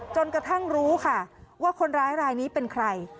จนกระทั่งรู้ค่ะว่าคนร้ายรายนี้เป็นใคร